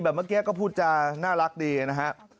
เมื่อกี้ก็พูดจะน่ารักดีนะฮะ